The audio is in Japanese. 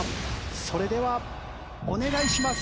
それではお願いします。